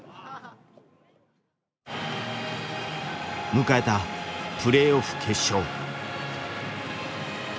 迎えたプレーオフ決勝。